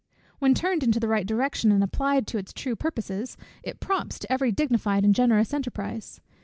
When turned into the right direction, and applied to its true purposes, it prompts to every dignified and generous enterprise.